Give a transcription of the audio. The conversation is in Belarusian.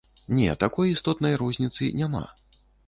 Не, такой істотнай розніцы няма.